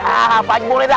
apaan boleh dah